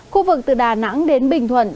khu vực từ đà nẵng đến bình thuận